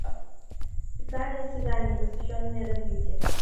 Специальное заседание, посвященное развитию.